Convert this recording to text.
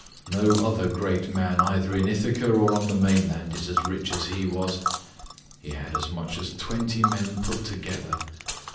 No other great man either in Ithaca or on the mainland is as rich as he was; he had as much as twenty men put together.